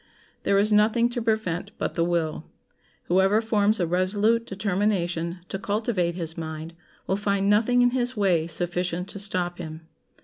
There is nothing to prevent but the will. Whoever forms a resolute determination to cultivate his mind will find nothing in his way sufficient to stop him.